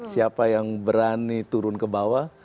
siapa yang berani turun ke bawah